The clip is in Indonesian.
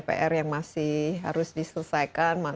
pr yang masih harus diselesaikan